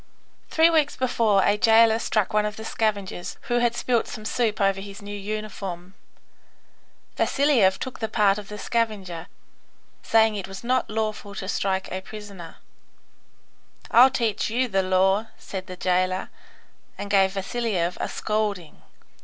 Three weeks before a jailer struck one of the scavengers who had spilt some soup over his new uniform. Vasiliev took the part of the scavenger, saying that it was not lawful to strike a prisoner. "I'll teach you the law," said the jailer, and gave Vasiliev a scolding.